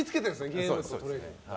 ゲームとトレーニング。